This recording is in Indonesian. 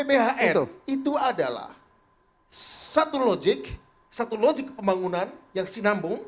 gbhn itu adalah satu logik satu logik pembangunan yang sinambung